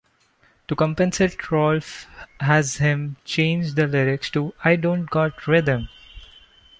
To compensate Rowlf has him change the lyrics to "I don't got Rhythm".